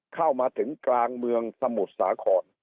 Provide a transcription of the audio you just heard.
เข้ามาถึงกลางเมืองสมุทรสาคร